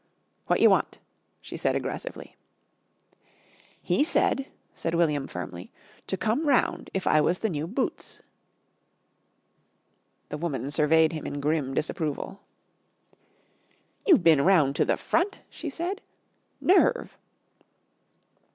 "What y' want?" she said aggressively. "He said," said William firmly, "to come round if I was the new Boots." The woman surveyed him in grim disapproval. "You bin round to the front?" she said. "Nerve!"